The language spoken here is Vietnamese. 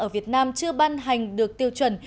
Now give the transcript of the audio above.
ở việt nam chưa ban hành được tiêu chuẩn